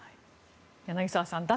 柳澤さん脱